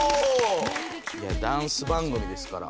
いやダンス番組ですから。